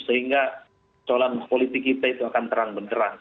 sehingga colang politik kita itu akan terang menerang